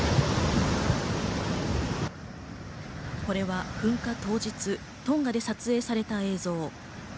これは噴火当日、トンガで撮影された映像。